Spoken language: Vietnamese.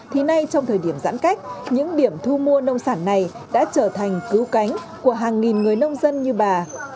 thì nay trong thời điểm giãn cách những điểm thu mua nông sản này đã trở thành cứu cánh của hàng nghìn người nông dân như bà